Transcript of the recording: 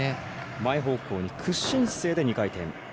前方向に屈身姿勢で２回転。